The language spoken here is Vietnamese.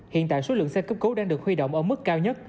hiện tại số lượng xe cứu thương đang được huy động ở mức cao nhất